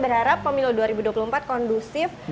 berharap pemilu dua ribu dua puluh empat kondusif